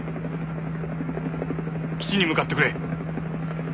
基地に向かってくれ！